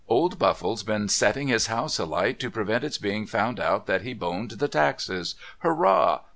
Old Buffle's been setting his house alight to prevent its being found out that he boned the Taxes. Hurrah